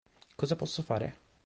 Cosa posso fare?